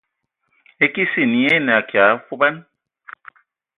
E kesin nyi enə akia mfuban.